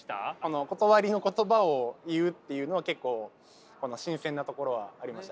断りの言葉を言うっていうのは結構新鮮なところはありましたね。